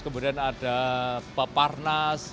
kemudian ada peparnas